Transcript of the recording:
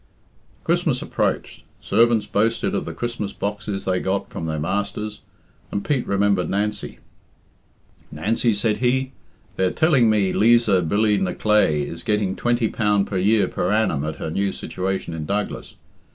Christmas approached, servants boasted of the Christmas boxes they got from their masters, and Pete remembered Nancy. "Nancy," said he, "they're telling me Liza Billy ny Clae is getting twenty pound per year per annum at her new situation in Douglas.